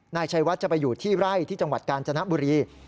นายชัยวัดจะไปอยู่ที่ไร่ที่จังหวัดกาญจนบุรี